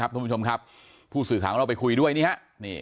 ทุกผู้ชมครับผู้สื่อข่าวของเราไปคุยด้วยนี่ฮะ